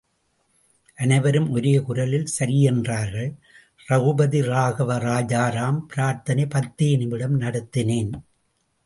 அனைவரும் ஒரே குரலில் சரியென்றார்கள், ரகுபதிராகவ ராஜாராம் பிரார்த்தனை பத்து நிமிடம் நடத்தினேன்.